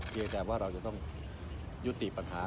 จริงแม้ว่าเราจะต้องยุติปัญหา